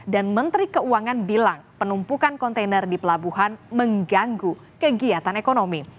dan menteri keuangan bilang penumpukan kontainer di pelabuhan mengganggu kegiatan ekonomi